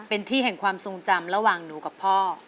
เป็นที่แห่งความทรงจำระหว่างหนูกับพ่อ